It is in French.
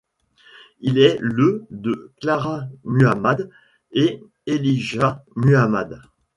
Il est le de Clara Muhammad et Elijah Muhammad.